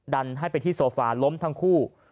ดันให้ไปที่โซฟาล้มทั้งคู่